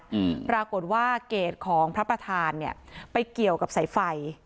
อืมปรากฏว่าเกรดของพระประธานเนี้ยไปเกี่ยวกับสายไฟ